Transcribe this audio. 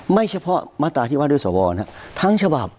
ไม่เฉพาะมาตราที่ว่าด้วยสวน